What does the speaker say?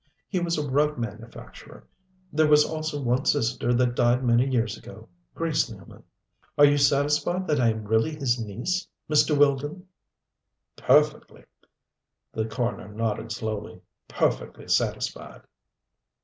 He was a rug manufacturer. There was also one sister that died many years ago Grace Nealman. Are you satisfied that I am really his niece, Mr. Weldon?" "Perfectly." The coroner nodded, slowly. "Perfectly satisfied."